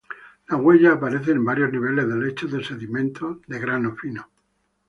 Las huellas aparecen en varios niveles de lechos de sedimentos de grano fino.